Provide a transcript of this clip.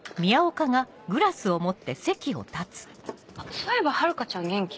そういえば遥ちゃん元気？